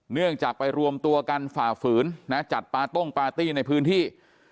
เนื่องจากไปรวมตัวกันฝ่าฝืนนะจัดปาต้งปาร์ตี้ในพื้นที่